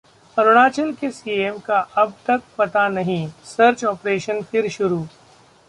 अरुणाचल के सीएम का अब तक पता नहीं, सर्च ऑपरेशन फिर शुरू